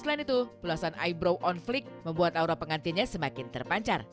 selain itu belasan eyebrow on flik membuat aura pengantinnya semakin terpancar